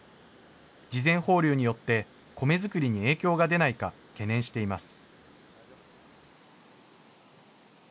事前放流によって米作りに影響が出ないか懸念しています。